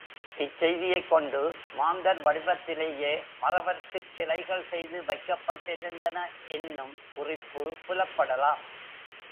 இச்செய்தியைக் கொண்டு, மாந்தர் வடிவத்திலேயே மறவர்க்குச் சிலைகள் செய்து வைக்கப்பட்டிருந்தன என்னும் குறிப்பு புலப்படலாம்.